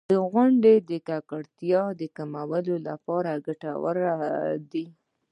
• غونډۍ د ککړتیا کمولو لپاره ګټورې دي.